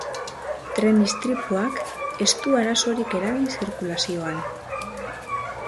Tren istripuak ez du arazorik eragin zirkulazioan.